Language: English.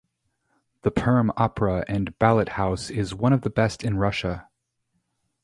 The Perm Opera and Ballet House is one of the best in Russia.